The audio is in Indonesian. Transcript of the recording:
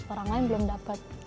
orang lain belum dapat